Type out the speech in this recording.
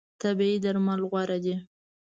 طبیعي درمل غوره دي.